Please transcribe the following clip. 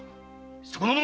そこの者！